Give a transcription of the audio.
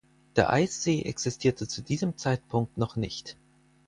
Der Eissee existierte zu diesem Zeitpunkt noch nicht.